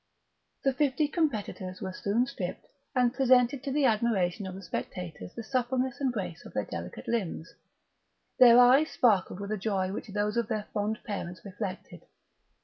The fifty competitors were soon stripped, and presented to the admiration of the spectators the suppleness and grace of their delicate limbs; their eyes sparkled with a joy which those of their fond parents reflected.